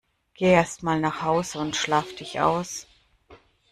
Geh erst mal nach Hause und schlaf dich aus!